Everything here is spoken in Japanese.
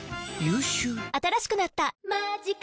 新しくなった「マジカ」